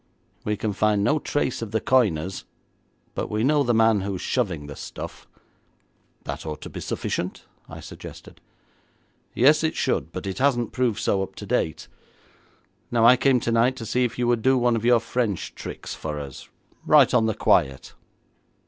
We can find no trace of the coiners, but we know the man who is shoving the stuff.' 'That ought to be sufficient,' I suggested. 'Yes, it should, but it hasn't proved so up to date. Now I came tonight to see if you would do one of your French tricks for us, right on the quiet.'